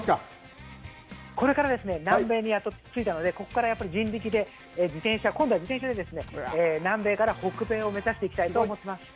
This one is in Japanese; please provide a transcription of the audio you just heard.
これからですね、南米にやっと着いたので、ここからやっぱり人力で、自転車、今度は自転車で南米から北米を目指していきたいと思ってます。